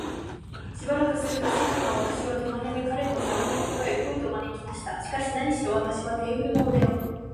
しばらくすると、主人は私を手まねで、彼の皿のところへ来い、と招きました。しかし、なにしろ私はテーブルの上を